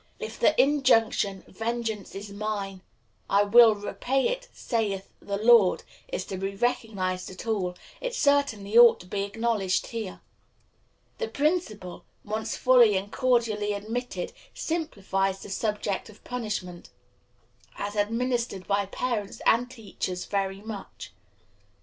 If the injunction "Vengeance is mine, I will repay it, saith the Lord" is to be recognized at all, it certainly ought to be acknowledged here. This principle, once fully and cordially admitted, simplifies the subject of punishment, as administered by parents and teachers, very much.